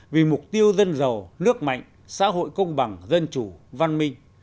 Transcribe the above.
vì mục tiêu dân giàu nước mạnh xã hội công bằng dân chủ văn minh